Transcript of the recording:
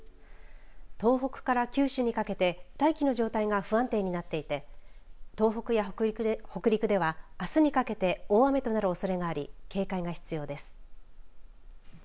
東北から九州にかけて大気の状態が不安定になっていて東北や北陸ではあすにかけて大雨となるおそれがあり警戒が必要です。